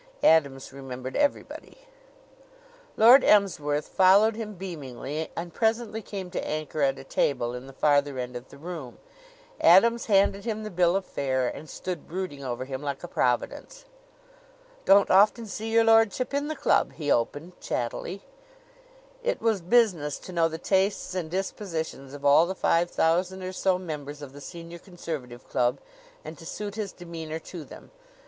Adams remembered everybody. Lord Emsworth followed him beamingly and presently came to anchor at a table in the farther end of the room. Adams handed him the bill of fare and stood brooding over him like a providence. "Don't often see your lordship in the club," he opened chattily. It was business to know the tastes and dispositions of all the five thousand or so members of the Senior Conservative Club and to suit his demeanor to them.